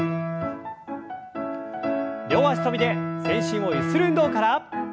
両脚跳びで全身をゆする運動から。